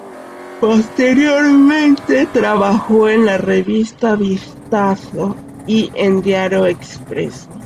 Posteriormente trabajó en la revista Vistazo y en diario Expreso.